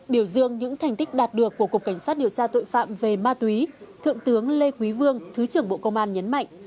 biểu dương những thành tích đạt được của cục cảnh sát điều tra tội phạm về ma túy thượng tướng lê quý vương thứ trưởng bộ công an nhấn mạnh